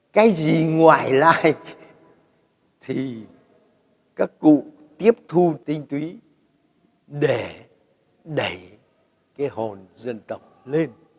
cái gì ngoài lại thì các cụ tiếp thu tinh túy để đẩy cái hồn dân tộc lên